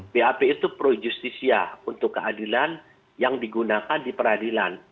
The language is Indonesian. bap itu pro justisia untuk keadilan yang digunakan di peradilan